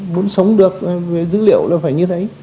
muốn sống được về dữ liệu là phải như thế